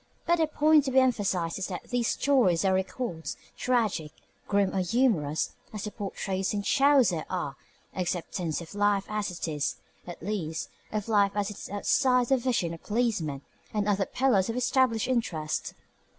But the point to be emphasized is that these stories are records, tragic, grim or humorous, as the portraits in Chaucer are acceptances of life as it is at least, of life as it is outside the vision of policemen and other pillars of established interests.